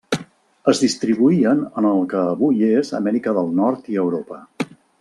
Es distribuïen en el que avui és Amèrica del Nord i Europa.